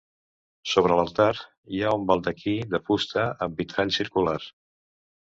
Sobre l'altar hi ha un baldaquí de fusta amb vitrall circular.